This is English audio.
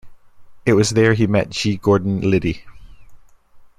It was there he met G. Gordon Liddy.